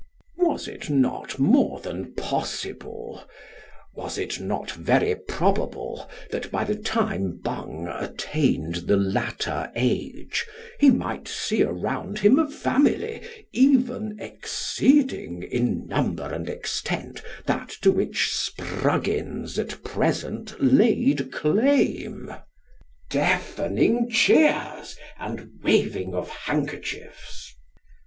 Was it not more than possible was it not very probable that by the time Bung attained the latter age, he might see around him a family, even exceeding in number and extent, that to which Spruggins at present laid claim (deafening cheers and waving of handkerchiefs)